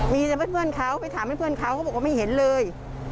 มีแต่เป็นเพื่อนเขาไปถามเพื่อนเขาก็บอกว่าไม่เห็นเลย